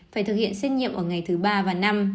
phải thực hiện xét nghiệm ở ngày thứ ba và năm